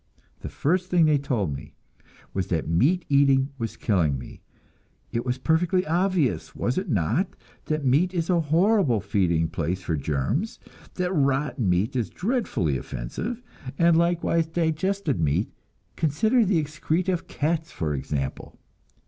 The first thing they told me was that meat eating was killing me. It was perfectly obvious, was it not, that meat is a horrible feeding place for germs, that rotten meat is dreadfully offensive, and likewise digested meat consider the excreta of cats, for example!